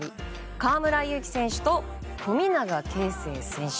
河村勇輝選手と富永啓生選手。